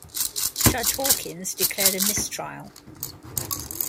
Judge Hawkins declared a mistrial.